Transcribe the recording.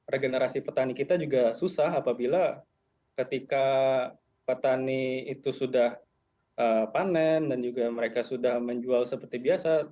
regenerasi petani kita juga susah apabila ketika petani itu sudah panen dan juga mereka sudah menjual seperti biasa